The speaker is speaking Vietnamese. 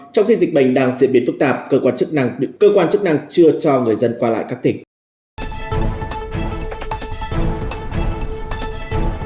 trong khi dịch bệnh đang diễn biến phức tạp cơ quan chức năng chưa cho người dân qua lại các tỉnh